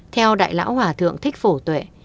theo đại lão hòa thượng thích phổ tuệ